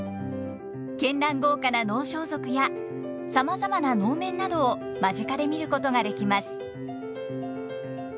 絢爛豪華な能装束やさまざまな能面などを間近で見ることができます。